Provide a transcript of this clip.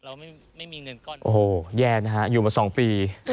เราไม่มีเงินก้อนนี้โอ้โหแย่นะฮะอยู่มา๒ปี